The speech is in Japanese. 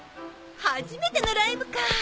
初めてのライブか。